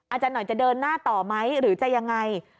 อาจารย์หน่อยจะเดินหน้าต่อไหมหรือจะยังไง